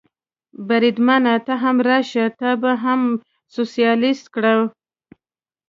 بریدمنه، ته هم راشه، تا به هم سوسیالیست کړو.